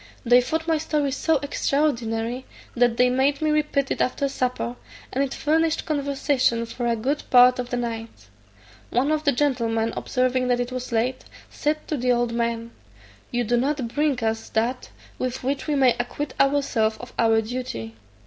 They thought my story so extraordinary, that they made me repeat it after supper, and it furnished conversation for a good part of the night. One of the gentlemen observing that it was late, said to the old man, "You do not bring us that with which we may acquit ourselves of our duty."